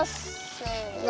せの。